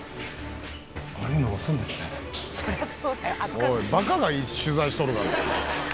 おいバカが取材しとるがな。